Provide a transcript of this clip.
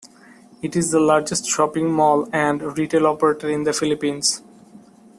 It is the largest shopping mall and retail operator in the Philippines.